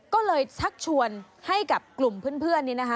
ก็เลยชักชวนให้กับกลุ่มเพื่อนนี้นะคะ